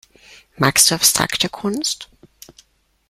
Magst du abstrakte Kunst?